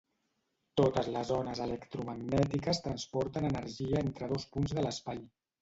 Totes les ones electromagnètiques transporten energia entre dos punts de l'espai.